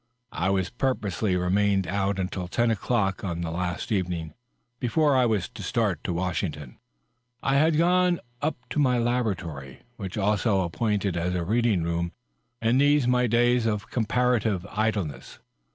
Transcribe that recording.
I had purposely remained out until ten o'clock on the last evening before I 600 DOUGLAS DUANE^ was to start for Washington. I had gone up to my laboratory, which was also appointed as a reading room in these my days of comparative idleness.